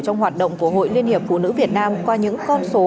trong hoạt động của hội liên hiệp phụ nữ việt nam qua những con số